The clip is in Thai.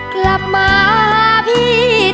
เพราะเธอชอบเมือง